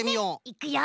いくよ！